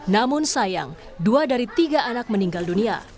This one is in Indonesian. namun sayang dua dari tiga anak meninggal dunia